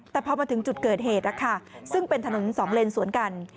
แต่พอมาถึงจุดเกิดเหตุนะคะซึ่งเป็นถนนสองเลนสวนกัน